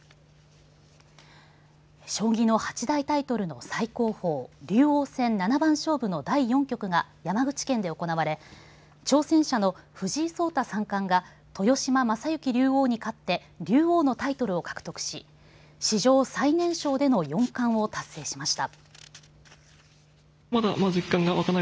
将棋の八大タイトルの最高峰竜王戦七番勝負の第４局が山口県で行われ挑戦者の藤井聡太三冠が豊島将之竜王に勝って竜王のタイトルを獲得し史上最年少での四冠を達成しました。